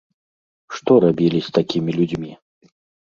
Што рабілі з такімі людзьмі?